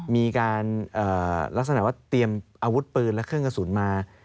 มีการลักษณะว่าเตรียมอาวุธปืนและเครื่องกระสุนมา